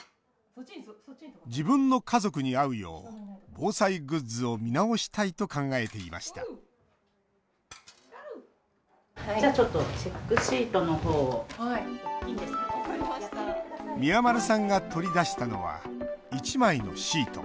自分の家族に合うよう防災グッズを見直したいと考えていました宮丸さんが取り出したのは１枚のシート。